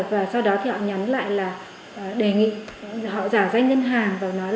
và sau đó thì họ nhắn lại là đề nghị họ giả danh ngân hàng vào nó